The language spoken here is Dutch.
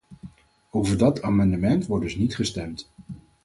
Over dat amendement wordt dus niet gestemd.